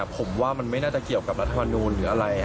ผมว่ามันไม่น่าจะเกี่ยวกับรัฐมนูลหรืออะไร